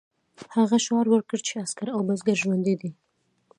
هغه شعار ورکړ چې عسکر او بزګر ژوندي دي.